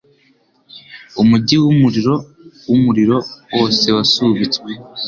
Umujyi wumuriro wumuriro wose wasubitswe,